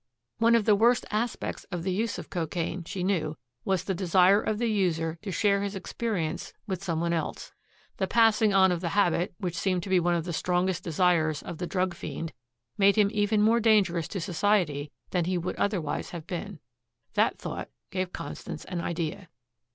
One of the worst aspects of the use of cocaine, she knew, was the desire of the user to share his experience with some one else. The passing on of the habit, which seemed to be one of the strongest desires of the drug fiend, made him even more dangerous to society than he would otherwise have been. That thought gave Constance an idea.